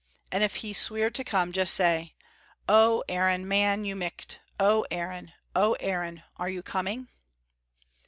And if he's sweer to come, just say, 'Oh, Aaron, man, you micht; oh, Aaron, oh, Aaron, are you coming?'"